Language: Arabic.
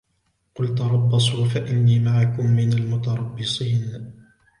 قل تربصوا فإني معكم من المتربصين